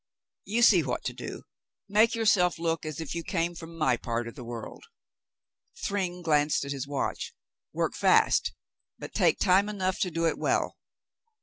You see what to do ; make yourself look as if you came from my part of the world." Thryng glanced at his watch. "Work fast, but take time enough to do it well.